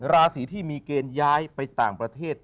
ราศีที่มีเกณฑ์ย้ายไปต่างประเทศ